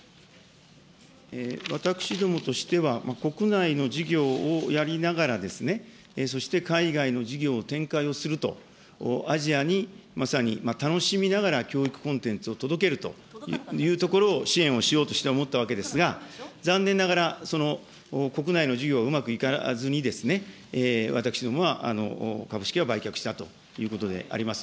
私どもとしては、国内の事業をやりながら、そして海外の事業を展開をすると、アジアにまさに楽しみながら教育コンテンツを届けるというところを支援をしようと思ったのですが、残念ながら国内の事業、うまくいかずに、私どもは株式を売却したということであります。